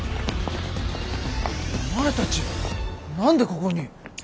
お前たち何でここに？